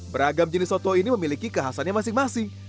beragam jenis soto ini memiliki kehasannya masing masing